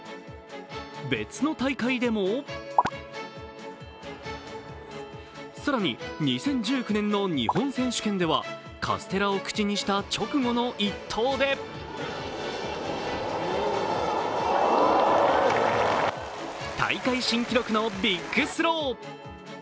別の大会でも更に２０１９年の日本選手権ではカステラを口にした直後の１投で大会新記録のビッグスロー。